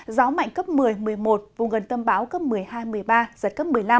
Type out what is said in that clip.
gió mạnh cấp một mươi một mươi một vùng gần tâm báo cấp một mươi hai một mươi ba giật cấp một mươi năm